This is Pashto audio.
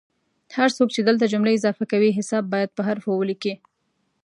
هر څوک چې دلته جملې اضافه کوي حساب باید په حوفو ولیکي